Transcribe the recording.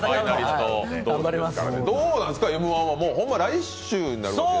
どうなんすか、Ｍ−１は来週になるわけ？